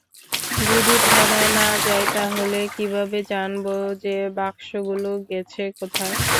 যদি থানায় না যাই, তাহলে কিভাবে জানবো, যে বাক্সগুলো গেছে কোথায়?